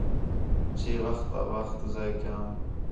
چھے وخت تا وخت ضائع کیام